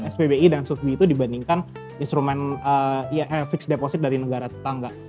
spbi dan subsidi itu dibandingkan instrumen fix deposit dari negara tetangga